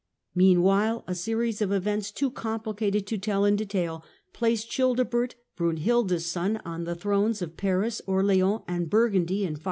Meanwhile a series of events too complicated to tell in detail, placed Childebert, Brunhilda's son, on the thrones of Paris, Orleans and Burgundy in 593.